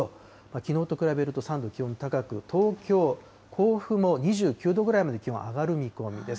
きのうと比べると３度気温が高く、甲府も２９度ぐらいまで気温上がる見込みです。